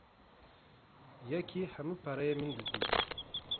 Yekî hemû pereyê min dizî.